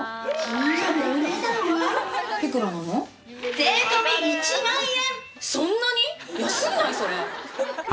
税込み１万円！